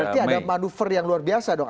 berarti ada manuver yang luar biasa dong